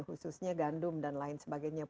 khususnya gandum dan lain sebagainya